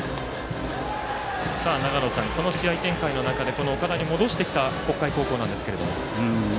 この試合展開の中で岡田に戻してきた北海高校なんですが。